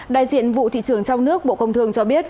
đại diện vụ thị trường trong nước bộ công thương cho biết